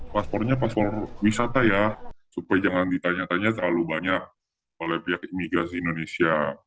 paspornya paspor wisata ya supaya jangan ditanya tanya terlalu banyak oleh pihak imigrasi indonesia